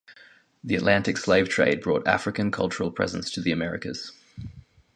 The Atlantic slave trade brought African cultural presence to the Americas.